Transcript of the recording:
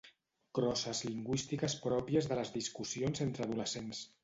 crosses lingüístiques pròpies de les discussions entre adolescents